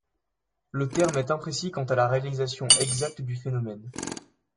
Le terme est imprécis quant à la réalisation exacte du phénomène.